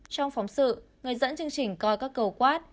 trong phóng sự người dẫn chương trình coi các cầu quát